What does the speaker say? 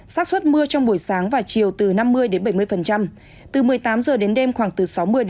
sát xuất mưa trong buổi sáng và chiều từ năm mươi đến bảy mươi từ một mươi tám h đến đêm khoảng từ sáu mươi ba mươi